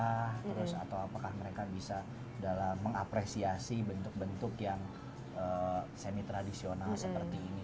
atau apakah mereka bisa dalam mengapresiasi bentuk bentuk yang semi tradisional seperti ini